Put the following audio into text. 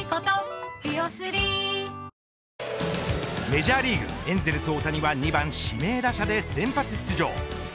メジャーリーグエンゼルス大谷は２番指名打者で先発出場。